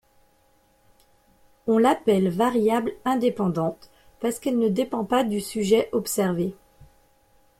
On l'appelle variable indépendante parce qu'elle ne dépend pas du sujet observé.